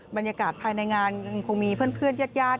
บรรยากาศภายในงานยังคงมีเพื่อนญาติญาติ